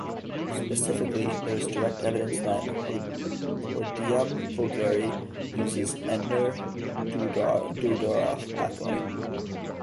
Specifically, there is direct evidence that "Hordeum vulgare" uses the Entner-Doudoroff pathway.